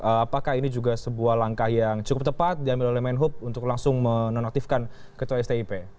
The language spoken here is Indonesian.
apakah ini juga sebuah langkah yang cukup tepat diambil oleh menhub untuk langsung menonaktifkan ketua stip